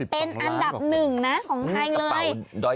เป็นอันดับ๑นะของไทยเลย